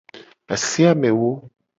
Ase amewo.